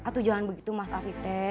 tujuan begitu mas afif